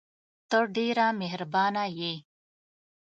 ته ډېره مهربانه یې !